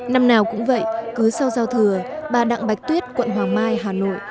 năm nào cũng vậy cứ sau giao thừa bà đặng bạch tuyết quận hoàng mai hà nội